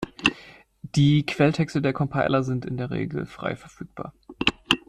Die Quelltexte der Compiler sind in der Regel frei verfügbar.